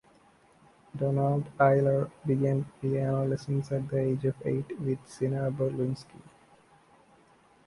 Donald Isler began piano lessons at the age of eight with Sina Berlinski.